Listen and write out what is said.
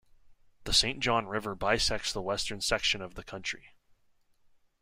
The Saint John River bisects the western section of the county.